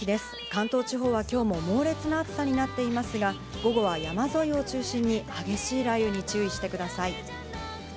関東地方は今日も猛烈な暑さになっていますが、午後は山沿いを中心に激しい雷雨に注意してください。